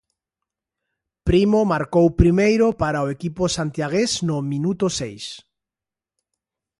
Primo marcou primeiro para o equipo santiagués no minuto seis.